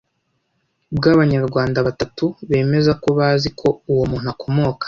bw'Abanyarwanda batatu bemeza ko bazi ko uwo muntu akomoka